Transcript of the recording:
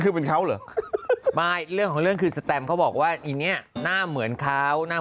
เขามีเพลิงมีเมียเหรอค่ะ